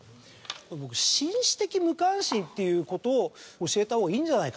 紳士的無関心っていうことを教えたほうがいいんじゃないかと。